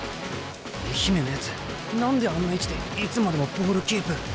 愛媛のやつ何であんな位置でいつまでもボールキープ。